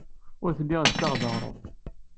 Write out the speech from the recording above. Ur telli tessaɣ-d aɣrum.